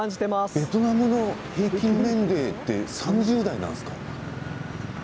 ベトナムの平均年齢って３０代なんですか？